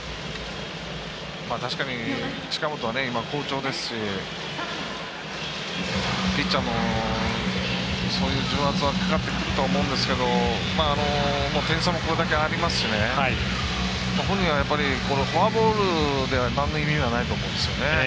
確かに近本は今好調ですしピッチャーもそういう重圧はかかってくるとは思うんですが点差もこれだけありますし本人はこれ、フォアボールでなんの意味もないと思うんですよね。